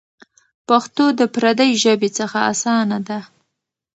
پښتو د پردۍ ژبې څخه اسانه ده.